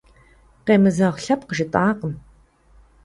Къемызэгъ лъэпкъ жытӏакъым.